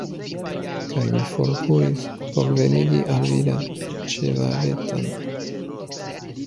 kaj mi forkuris, por venigi al vi la ĉevaleton.